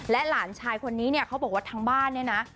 หลานชายคนนี้เนี่ยเขาบอกว่าทางบ้านเนี่ยนะ